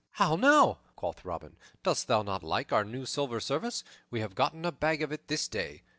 "How now," quoth Robin, "dost thou not like our new silver service? We have gotten a bag of it this day."